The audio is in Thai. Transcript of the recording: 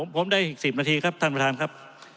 ผมได้อีก๑๐นาทีครับท่านประธานครับ